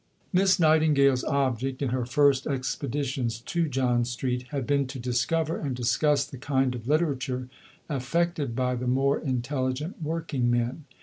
Miss Nightingale's object, in her first expeditions to John Street, had been to discover and discuss the kind of literature affected by the more intelligent working men.